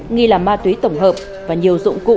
nghi là ma túy tổng hợp và nhiều dụng cụ